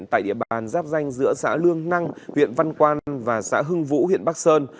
tại địa bàn giáp danh giữa xã lương năng huyện văn quan và xã hưng vũ huyện bắc sơn